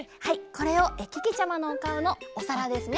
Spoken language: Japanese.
これをけけちゃまのおかおのおさらですね